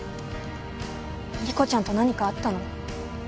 理子ちゃんと何かあったの？